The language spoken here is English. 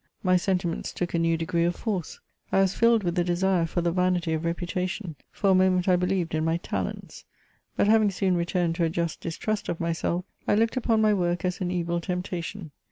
My sentiments took a new degree of force : I was filled with a desire for the vanity of reputation ; for a moment I beUeved in my talenlSy but having soon returned to a just distrust of myself, I looked upon my work as an evil temptation.